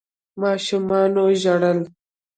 ماشومانو ژړل.